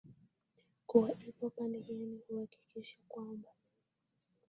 kuwa ipo pande gani kuhakikisha kwamba